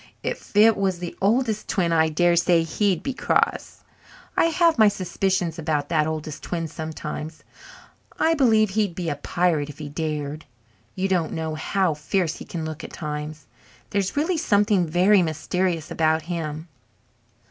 If it was the Oldest Twin I dare say he'd be cross. I have my suspicions about that Oldest Twin sometimes. I b'lieve he'd be a pirate if he dared. You don't know how fierce he can look at times. There's really something very mysterious about him."